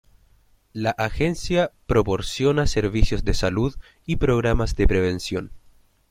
La agencia proporciona servicios de salud y programas de prevención.